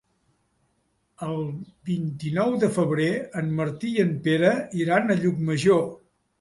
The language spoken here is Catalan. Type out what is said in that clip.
El vint-i-nou de febrer en Martí i en Pere iran a Llucmajor.